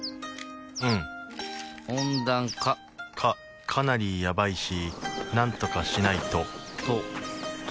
うん温暖化かかなりやばいしなんとかしないとと解けちゃうね